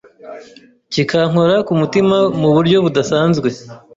kikankora ku mutima mu buryo budasanzwe.